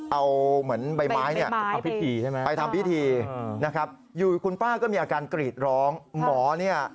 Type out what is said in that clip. เอาเหมือนใบไม้นี่ไปทำพิธีนะครับอยู่คุณป้าก็มีอาการกรีดร้องหมอนี่